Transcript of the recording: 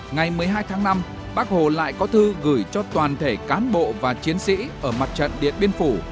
ngày một mươi hai tháng năm bác hồ lại có thư gửi cho toàn thể cán bộ và chiến sĩ ở mặt trận điện biên phủ